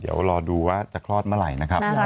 เดี๋ยวรอดูว่าจะคลอดเมื่อไหร่นะครับ